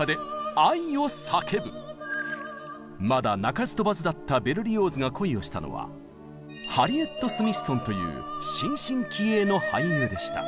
まだ鳴かず飛ばずだったベルリオーズが恋をしたのはハリエット・スミッソンという新進気鋭の俳優でした。